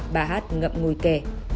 bà hát ngậm ngùi kể